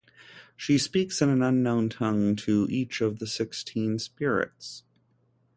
She speaks in an unknown tongue to each of the sixteen spirits.